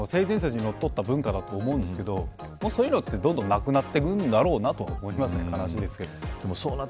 登山って、結構な部分が性善説にのっとった部分だと思うんですけどそういうのはどんどんなくなっていくんだろうと思います。